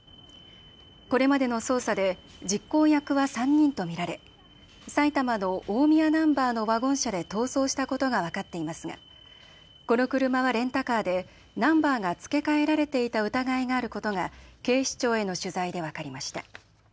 これまでの捜査で実行役は３人と見られ、埼玉の大宮ナンバーのワゴン車で逃走したことが分かっていますがこの車はレンタカーでナンバーが付け替えられていた疑いがあることが警視庁への取材で分かりました。